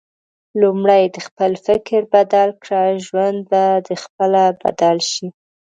لومړی د خپل فکر بدل کړه ، ژوند به د خپله بدل شي